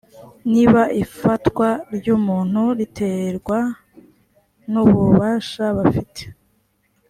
niba ifatwa ry’umuntu riterwa n’ububasha bafite